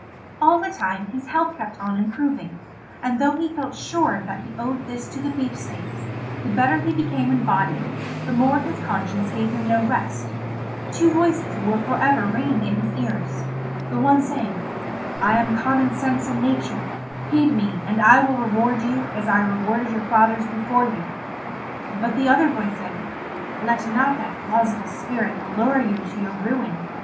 All the time his health kept on improving, and though he felt sure that he owed this to the beefsteaks, the better he became in body, the more his conscience gave him no rest; two voices were for ever ringing in his ears—the one saying, "I am Common Sense and Nature; heed me, and I will reward you as I rewarded your fathers before you." But the other voice said: "Let not that plausible spirit lure you to your ruin.